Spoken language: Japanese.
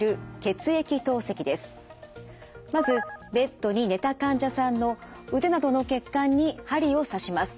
まずベッドに寝た患者さんの腕などの血管に針を刺します。